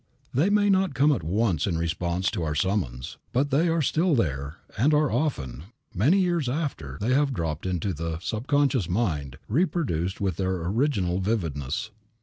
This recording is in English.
They may not come at once in response to our summons, but they are still there and are often, many years after they have dropped into the subconscious mind, reproduced with all their original vividness.